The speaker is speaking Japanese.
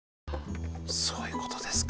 そういうことですか。